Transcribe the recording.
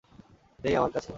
নেই আমার কাছে।